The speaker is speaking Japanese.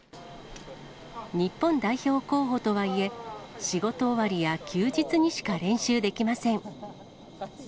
日本代表候補とはいえ、仕事終わりや休日にしか練習できません。